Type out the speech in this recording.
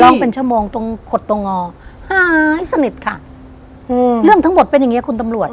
ต้องเป็นชั่วโมงตรงขดตรงงอหายสนิทค่ะอืมเรื่องทั้งหมดเป็นอย่างเงี้คุณตำรวจ